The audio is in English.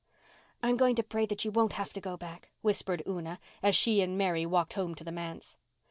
"I'm going to pray that you won't have to go back," whispered Una, as she and Mary walked home to the manse.